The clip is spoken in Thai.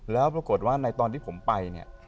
แล้วพอกลับว่านายตอนที่ผมไป